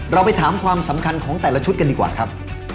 เราไปถามความสำคัญของแต่ละชุดกันดีกว่าครับ